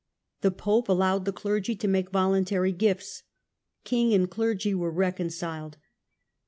The pope allowed the clergy to make voluntary gifts. King and clergy were reconciled.